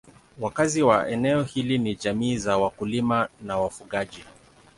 Wakazi wa eneo hili ni jamii za wakulima na wafugaji.